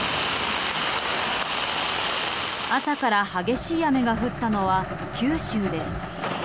朝から激しい雨が降ったのは九州です。